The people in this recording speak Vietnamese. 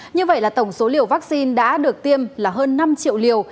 như vậy là tổng số liều vaccine đã được tiêm là hơn năm triệu liều